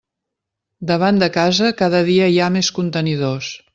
Davant de casa cada dia hi ha més contenidors.